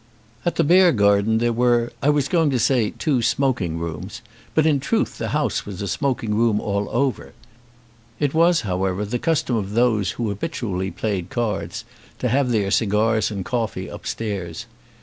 At the Beargarden there were, I was going to say, two smoking rooms; but in truth the house was a smoking room all over. It was, however, the custom of those who habitually played cards, to have their cigars and coffee upstairs.